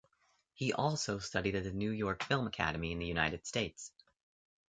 He also studied at the New York Film Academy in the United States.